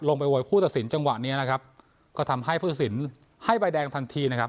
โวยคู่ตัดสินจังหวะเนี้ยนะครับก็ทำให้ผู้สินให้ใบแดงทันทีนะครับ